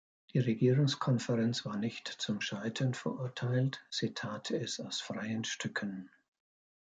Die Regierungskonferenz war nicht zum Scheitern verurteilt – sie tat es aus freien Stücken.